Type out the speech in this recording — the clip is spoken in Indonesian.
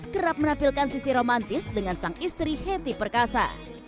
kerap menampilkan sisi romantis dengan sang istri hetty perkasa